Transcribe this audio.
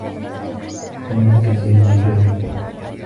لَمْ يَنْكَسِرْ الزُّجاجُ.